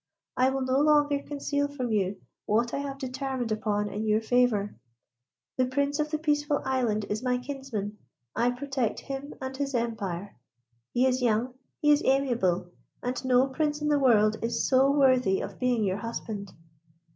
I will no longer conceal from you what I have determined upon in your favour. The Prince of the Peaceful Island is my kinsman. I protect him and his empire. He is young, he is amiable, and no Prince in the world is so worthy of being your husband.